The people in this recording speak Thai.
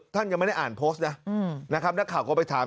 ท่านยังไม่ได้อ่านโพสต์นะนะครับนักข่าวก็ไปถาม